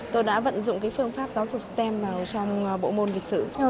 tôi đã vận dụng phương pháp giáo dục stem vào trong bộ môn lịch sử